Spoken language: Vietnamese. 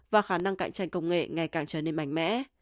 và khả năng cạnh tranh công nghệ ngày càng trở nên mạnh mẽ